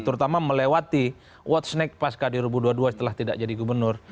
terutama melewati what's next pas kd dua ribu dua puluh dua setelah tidak jadi gubernur